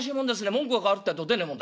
文句が変わるってえと出ねえもんだ。